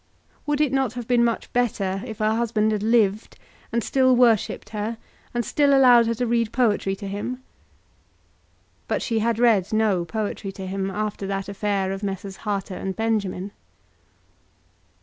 Would it not have been much better if her husband had lived, and still worshipped her, and still allowed her to read poetry to him? But she had read no poetry to him after that affair of Messrs. Harter and Benjamin.